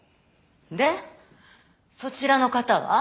でそちらの方は？